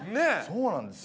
そうなんですよ。